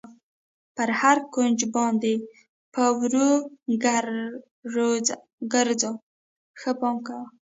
پر هر کونج باندې په ورو ګر وځه، ښه پام کوه.